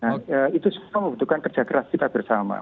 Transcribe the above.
nah itu semua membutuhkan kerja keras kita bersama